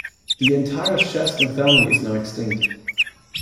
The entire Shastan family is now extinct.